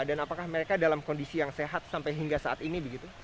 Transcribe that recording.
dan apakah mereka dalam kondisi yang sehat sampai hingga saat ini begitu